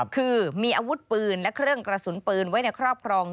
คือมีอาวุธปืนและเครื่องกระสุนปืนไว้ในครอบครอง